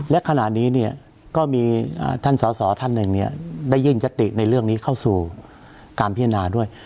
และขณะนี้ก็มีท่านสอสอท่านหนึ่งได้ยื่นยติในเรื่องนี้เข้าสู่การพิจารณาด้วย